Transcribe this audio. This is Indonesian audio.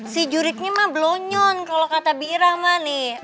si juriknya mah blonyon kalo kata bi'irah mah nih